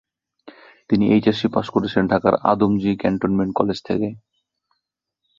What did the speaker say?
তিনি এইচএসসি পাশ করেছেন ঢাকার আদমজী ক্যান্টনমেন্ট কলেজ থেকে।